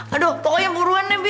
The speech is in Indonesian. aduh pokoknya buruan nabi